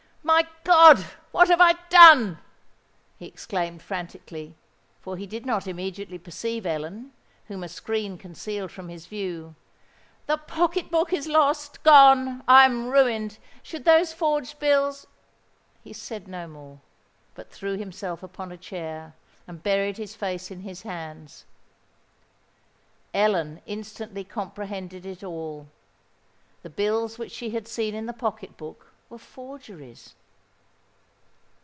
"My God! what have I done?" he exclaimed, frantically—for he did not immediately perceive Ellen, whom a screen concealed from his view. "The pocket book is lost—gone! I am ruined—should those forged bills——" He said no more, but threw himself upon a chair, and buried his face in his hands. Ellen instantly comprehended it all:—the bills which she had seen in the pocket book were forgeries!